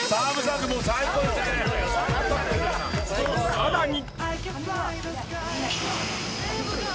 ［さらに］